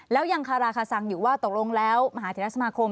แล้วยังคาราคาซังอยู่ว่าตกลงแล้วมหาเทศสมาคม